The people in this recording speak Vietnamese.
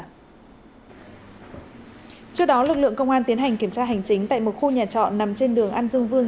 trước đó lực lượng công an tiến hành kiểm tra hành chính tại một khu nhà trọ nằm trên đường an dương vương